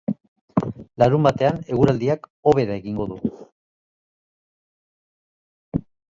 Larunbatean eguraldiak hobera egingo du.